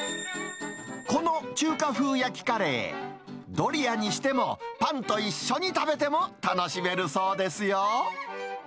この中華風焼きカレー、ドリアにしても、パンと一緒に食べても楽しめるそうですよ。